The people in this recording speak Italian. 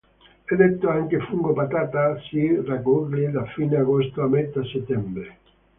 È detto anche fungo patata; si raccoglie da fine agosto a metà settembre.